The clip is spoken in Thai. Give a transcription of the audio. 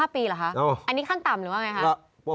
๕ปีหรือคะอันนี้ขั้นต่ำหรือว่าอย่างไรคะ